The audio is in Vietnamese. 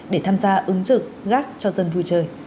để tham gia ứng trực gác cho dân vui chơi